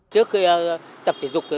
trước khi tập thể dục